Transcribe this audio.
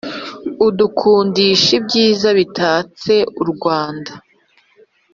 adukundishaibyiza bitatse urwanda